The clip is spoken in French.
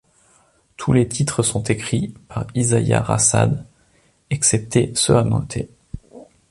Tous les titres sont écrits par Isaiah Rashad, exceptés ceux annotés.